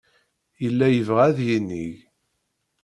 Yella yebɣa ad yinig.